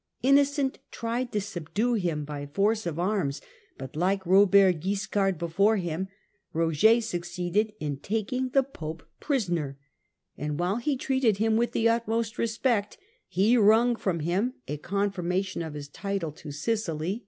Innocent tried to subdue him by force of arms, but, like Eobert Guiscard before him, Koger succeeded in taking the Pope prisoner, and while he treated him with the utmost respect, he wrung from him a confirmation of his title to Sicily, ' He is sometimes called Roger II.